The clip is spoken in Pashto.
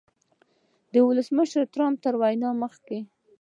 د ولسمشر ټرمپ تر وینا مخکې